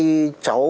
bị nhiễm sán lợn